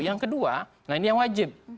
yang kedua nah ini yang wajib